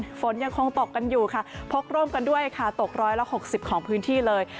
ฝนยังคงตกกันอยู่ค่ะพกร่วมกันด้วยค่ะตกร้อยละ๖๐ของพื้นที่เลย